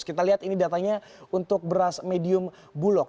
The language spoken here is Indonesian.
kita lihat ini datanya untuk beras medium bulog